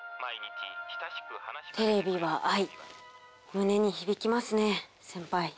テレビは愛胸に響きますね先輩。